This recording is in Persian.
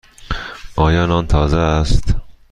آیا نان تازه است؟